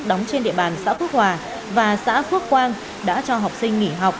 đóng trên địa bàn xã phước hòa và xã phước quang đã cho học sinh nghỉ học